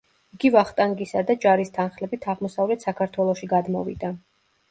იგი ვახტანგისა და ჯარის თანხლებით აღმოსავლეთ საქართველოში გადმოვიდა.